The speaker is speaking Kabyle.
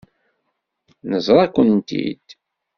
Neẓra-kent-id.